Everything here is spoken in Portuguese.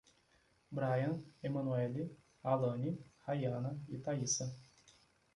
Bryan, Emanueli, Alane, Raiana e Taíssa